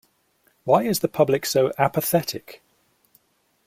Why is the public so apathetic?